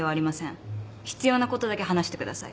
必要なことだけ話してください。